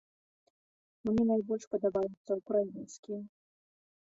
Мне найбольш падабаюцца украінскія.